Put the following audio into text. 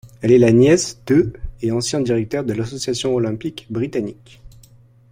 Elle est la nièce de et ancien directeur de l'Association olympique britannique.